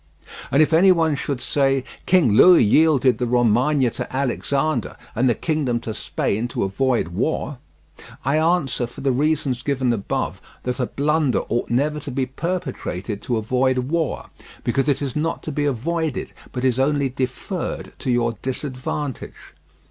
And if any one should say: "King Louis yielded the Romagna to Alexander and the kingdom to Spain to avoid war," I answer for the reasons given above that a blunder ought never to be perpetrated to avoid war, because it is not to be avoided, but is only deferred to your disadvantage.